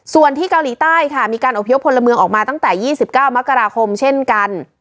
ส่วนที่เกาหลีใต้ค่ะมีการอบพยพพลเมืองออกมาตั้งแต่๒๙มกราคมเช่นกัน